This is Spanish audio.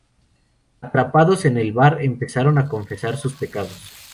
Atrapados en el bar, empezarán a confesar sus pecados.